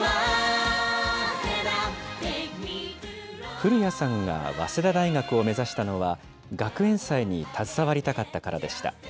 古屋さんが早稲田大学を目指したのは、学園祭に携わりたかったからでした。